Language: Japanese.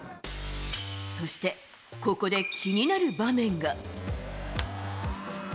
そして、ここで気になる場面が。